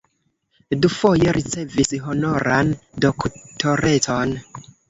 Dufoje ricevis honoran doktorecon.